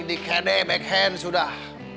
dike dek backhand sudah